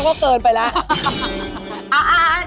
ก็เกินไปแล้ว